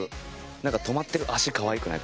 何かとまってる脚かわいくない？